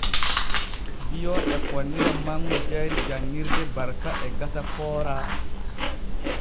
Bio e fonnira manŋu jayri janŋirde Barka e gasa Koora.